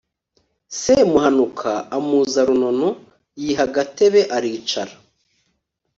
Semuhanuka amuza runono, yiha agatebe aricara